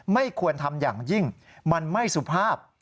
ไม่ควรทำอย่างยิ่งมันไม่สุภาพ